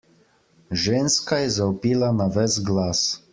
Ženska je zavpila na ves glas.